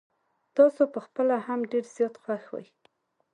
تاسو په خپله هم ډير زيات خوښ وې.